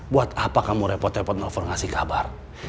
buat apa kamu repot repot novel ngasih kabar